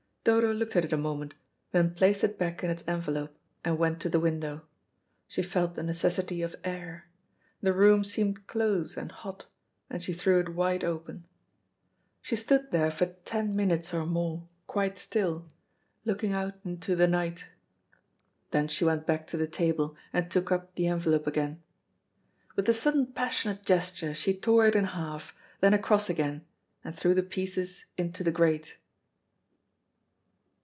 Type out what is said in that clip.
Dodo looked at it a moment, then placed it back in its envelope, and went to the window. She felt the necessity of air. The room seemed close and hot, and she threw it wide open. She stood there for ten minutes or more quite still, looking out into the night. Then she went back to the table and took up the envelope again. With a sudden passionate gesture she tore it in half, then across again, and threw the pieces into the grate.